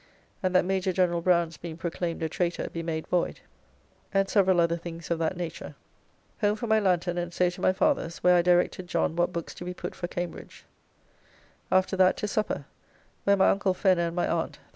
And that Major General Brown's being proclaimed a traitor be made void, and several other things of that nature. Home for my lanthorn and so to my father's, where I directed John what books to put for Cambridge. After that to supper, where my Uncle Fenner and my Aunt, The.